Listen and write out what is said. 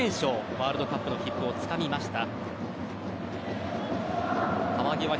ワールドカップの切符をつかみました。